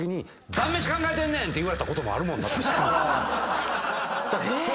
て言われたこともあるもんな確かに。